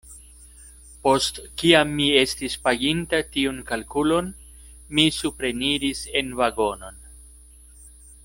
Post kiam mi estis paginta tiun kalkulon, mi supreniris en vagonon.